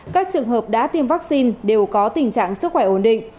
các trường hợp đã tiêm vaccine đều có tình trạng sức khỏe ổn định